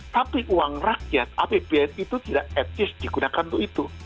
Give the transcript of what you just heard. tapi uang rakyat apbn itu tidak etis digunakan untuk itu